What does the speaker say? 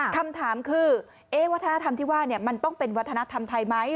คำถามคือวัฒนธรรมที่ว่ามันต้องเป็นวัฒนธรรมไทยไหม